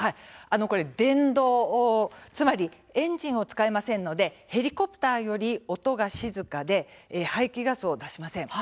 電動、つまりエンジンを使いませんのでヘリコプターより音が静かで排気ガスを出しません。